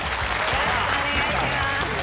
よろしくお願いします